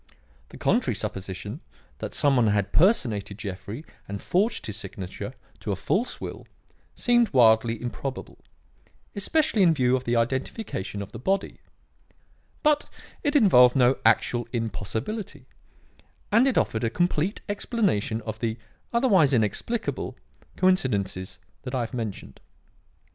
The contrary supposition that some one had personated Jeffrey and forged his signature to a false will seemed wildly improbable, especially in view of the identification of the body; but it involved no actual impossibility; and it offered a complete explanation of the, otherwise inexplicable, coincidences that I have mentioned.